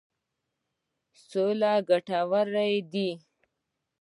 صلح ګټور دی.